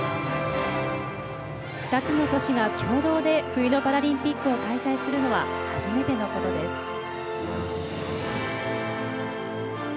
２つの都市が共同で冬のパラリンピックを開催するのは初めてのことです。